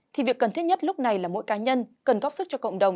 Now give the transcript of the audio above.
thì việc cần thiết nhất lúc này là mỗi cá nhân cần góp sức cho cộng đồng